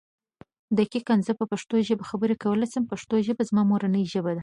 دقيقآ زه په پښتو ژبه خبرې کولاې شم پښتو ژبه زما مورنۍ ژبه ده.